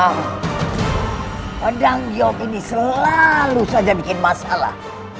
ah pedang giyok ini selalu saja bikin masalah